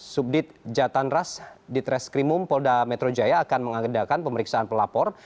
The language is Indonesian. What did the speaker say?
subdit jatan ras di treskrimum polda metro jaya akan mengagendakan pemeriksaan pelapor